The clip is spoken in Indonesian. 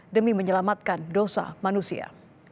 demi menyelamatkan dosa manusia